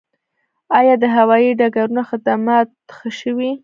آیا د هوایي ډګرونو خدمات ښه شوي؟